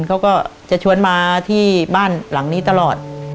เขาก็จะชวนมาที่บ้านหลังนี้ตลอด